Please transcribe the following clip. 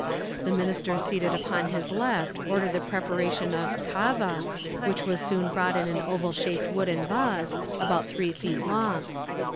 The minister seated upon his left ordered the preparation of 'kava,' which was soon brought in an oval shaped wooden vase, about three feet long.